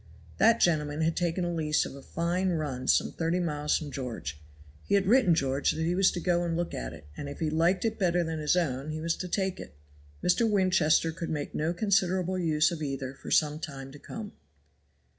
That gentleman had taken a lease of a fine run some thirty miles from George. He had written George that he was to go and look at it, and if he liked it better than his own he was to take it. Mr. Winchester could make no considerable use of either for some time to come.